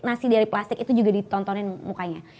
nasi dari plastik itu juga ditontonin mukanya